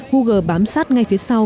google bám sát ngay phía sau